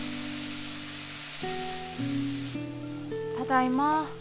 ただいま。